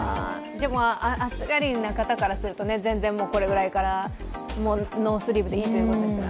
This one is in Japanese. でも、暑がりな方からすると、全然これぐらいからノースリーブでいいということですね。